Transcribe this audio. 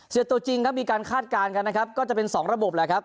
ตัวจริงก็มีการคาดการณ์กันนะครับก็จะเป็น๒ระบบแหละครับ